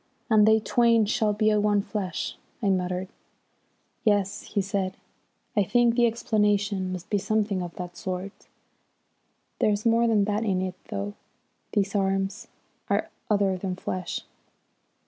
"'And they twain shall be one flesh,'" I muttered. "Yes," he said, "I think the explanation must be something of that sort. There's more than that in it, though; these arms are other than flesh."